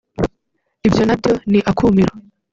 Ibyo nabyo ni akumiro